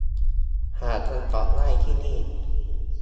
หาคำตอบได้ ที่นี่